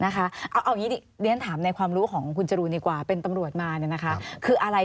ถ้าเรียนถามในความรู้ของคุณชะลูนเฉพาะเป็นตำรวจมาเนี่ย